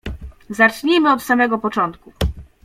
"Zacznijmy od samego początku."